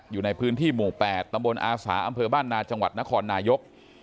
อยู่ในพื้นที่หมู่๘ตำบลอาสาอำเภอบ้านนาจังหวัดนครนายก